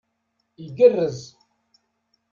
Igerrez